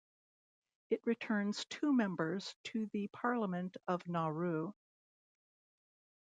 It returns two members to the Parliament of Nauru.